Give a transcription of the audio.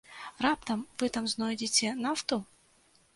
Раптам вы там знойдзеце нафту?